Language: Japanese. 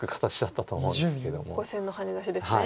５線のハネ出しですね。